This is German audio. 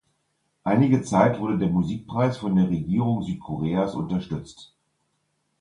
Einige Zeit wurde der Musikpreis von der Regierung Südkoreas unterstützt.